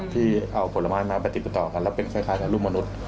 ที่เอาผลไม้มาปฏิติประต่อกันแล้วเป็นคล้ายลูกมนุษย์